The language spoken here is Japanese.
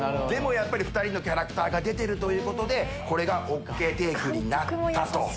でもやっぱり２人のキャラクターが出てるということでこれがＯＫテイクになったと。